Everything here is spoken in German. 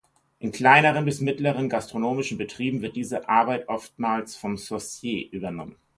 In kleineren bis mittleren gastronomischen Betrieben wird diese Arbeit oftmals vom Saucier übernommen.